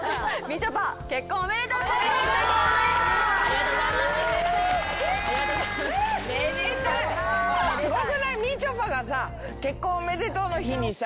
みちょぱが結婚おめでとうの日にさ。